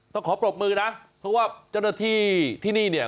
ขอปรบมือนะเพราะว่าเจ้าหน้าที่ที่นี่เนี่ย